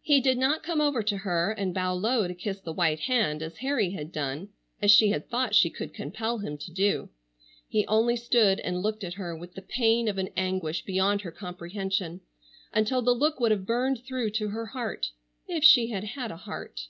He did not come over to her and bow low to kiss the white hand as Harry had done,—as she had thought she could compel him to do. He only stood and looked at her with the pain of an anguish beyond her comprehension, until the look would have burned through to her heart—if she had had a heart.